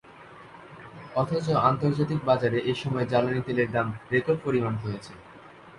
অথচ আন্তর্জাতিক বাজারে এ সময় জ্বালানি তেলের দাম রেকর্ড পরিমাণ কমেছে।